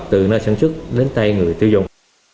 từ nơi sản xuất đến tay người tiêu dùng